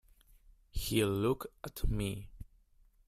He looked at me.